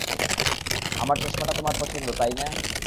আমার চশমাটা তোমার পছন্দ, তাই না?